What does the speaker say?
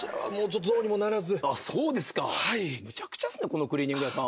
このクリーニング屋さん。